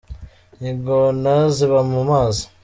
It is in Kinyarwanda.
Ingona ziba mu mazi.